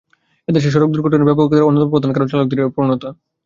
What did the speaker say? এ দেশে সড়ক দুর্ঘটনার ব্যাপকতার অন্যতম প্রধান কারণ চালকদের এই প্রবণতা।